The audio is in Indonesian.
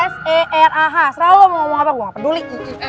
s e r a h setelah lu mau ngomong apa gue gak peduli